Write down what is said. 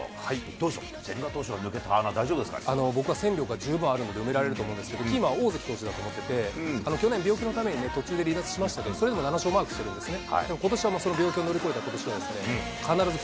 どうでしょう、千賀投手の抜けた穴、僕は戦力は十分あるので、埋められると思うんですけど、キーマンは大関投手だと思ってて、去年は途中で離脱しましたけど、それでも７勝マークしてるんですね。